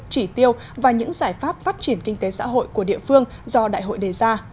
chỉ tiêu và những giải pháp phát triển kinh tế xã hội của địa phương do đại hội đề ra